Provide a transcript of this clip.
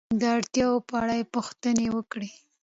د اړتیاو په اړه یې پوښتنې وکړئ.